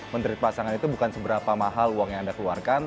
men trik pasangan itu bukan seberapa mahal uang yang anda keluarkan